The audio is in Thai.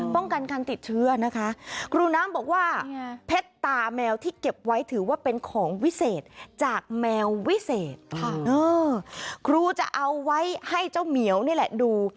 ป้องกันการติดเชื้อนะคะครูน้ำบอกว่าเพชรตาแมวที่เก็บไว้ถือว่าเป็นของวิเศษจากแมววิเศษค่ะครูจะเอาไว้ให้เจ้าเหมียวนี่แหละดู